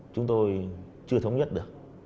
chúng tôi chưa thống nhất được